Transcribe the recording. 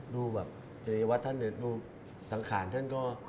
ดูแบบเจรวธนฤทธิ์ดูสังขารท่านก็